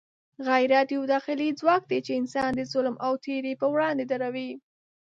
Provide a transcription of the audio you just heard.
غیرت یو داخلي ځواک دی چې انسان د ظلم او تېري پر وړاندې دروي.